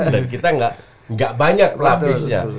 dan kita nggak banyak lapisnya